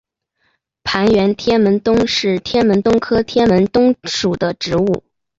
攀援天门冬是天门冬科天门冬属的植物。